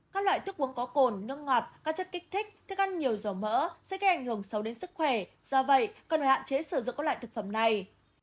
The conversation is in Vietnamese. các loại thức uống có cồn nước ngọt các chất kích thích thức ăn nhiều dầu mỡ sẽ gây ảnh hưởng sâu đến sức khỏe do vậy cần hạn chế sử dụng các loại thực phẩm này